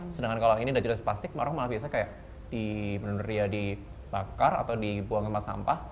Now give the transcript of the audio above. sedangkan kalau ini sudah di jelasin plastik orang malah biasa kayak di bakar atau dibuang ke tempat sampah